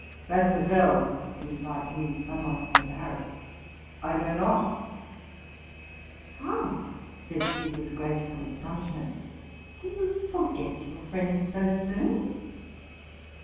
'* Mademoiselle,'' replied he, somewhat embarrassed, '' I know not''— '* How?" said she, with graceful astonishment, '' co you forget your friends so soon?